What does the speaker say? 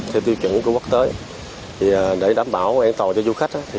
theo tiêu chuẩn của quốc tế để đảm bảo an toàn cho du khách